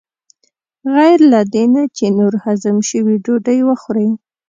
غیر له دې نه چې نور هضم شوي ډوډۍ وخورې.